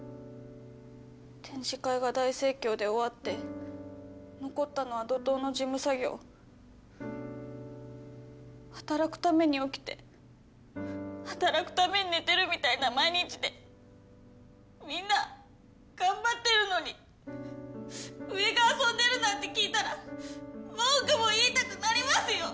展示会が大盛況で終わって残ったのは怒とうの事務作業働くために起きて働くために寝てるみたいな毎日でみんな頑張ってるのに上が遊んでるなんて聞いたら文句も言いたくなりますよ！